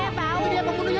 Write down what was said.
itu dia pembunuhnya